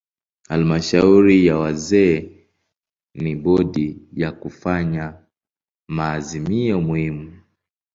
Halmashauri ya wazee ni bodi ya kufanya maazimio muhimu.